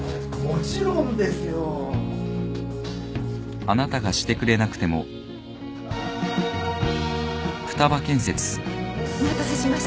もちろんですよ。お待たせしました。